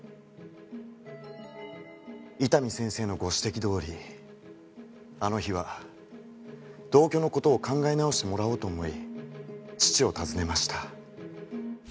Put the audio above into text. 伊丹先生のご指摘どおりあの日は同居の事を考え直してもらおうと思い義父を訪ねました。